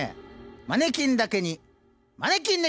マネキンだけにマネキン猫！